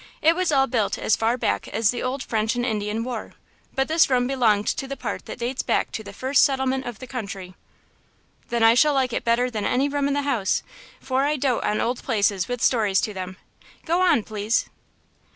It was all built as far back as the old French and Indian war; but this room belonged to the part that dates back to the first settlement of the country." "Then I shall like it better than any room in the house, for I dote on old places with stories to them. Go on, please."